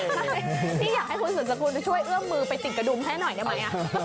ใช่พี่อยากให้คุณสุดสกุลช่วยเอื้อมมือไปติดกระดุมให้หน่อยได้ไหม